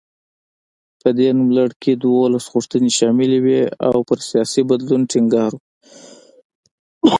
په دې نوملړ کې دولس غوښتنې شاملې وې او پر سیاسي بدلون ټینګار و.